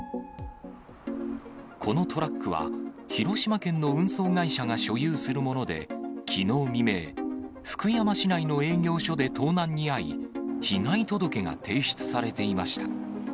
このトラックは、広島県の運送会社が所有するもので、きのう未明、福山市内の営業所で盗難に遭い、被害届が提出されていました。